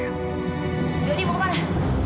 jodi mau ke mana